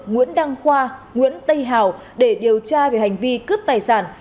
nguyễn đăng khoa nguyễn tây hào để điều tra về hành vi cướp tài sản